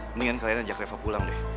mendingan kalian ajak revo pulang deh